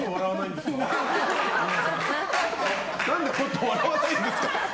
何でみんな笑わないんですか？